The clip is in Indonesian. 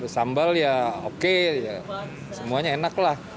sambal ya oke semuanya enak lah